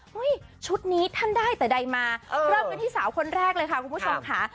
ชุดนี้ท่านได้แต่ใดมาเริ่มกันที่สาวคนแรกเลยค่ะคุณผู้ชมค่ะ